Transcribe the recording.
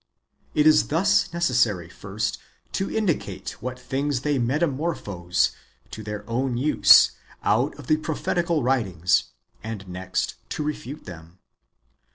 It is thus necessary, first, to indicate what things they metamorphose [to their own use] out of the prophetical WTitings, and next, to refute them.